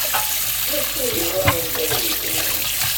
D acu ay yeḍran iḍ yezrin?